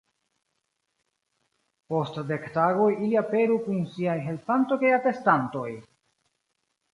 Post dek tagoj ili aperu kun siaj helpantoj kaj atestantoj!